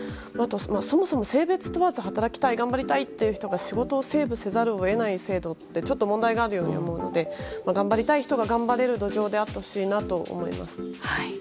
そもそも性別問わず働きたい頑張りたいという人が仕事をセーブせざるを得ない制度ってちょっと問題があるように思うので頑張りたい人が頑張れる土壌であってほしいなと思います。